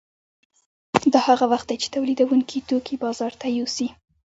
دا هغه وخت دی چې تولیدونکي توکي بازار ته یوسي